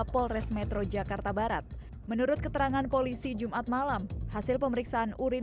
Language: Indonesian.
polres metro jakarta barat menurut keterangan polisi jumat malam hasil pemeriksaan urin